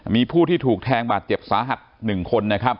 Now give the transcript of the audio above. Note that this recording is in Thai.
มีผู้ที่ถูกแทงบาดเจ็บสาหัส๑คน